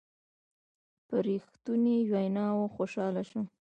په رښتنوني ویناوو خوشحاله شوم.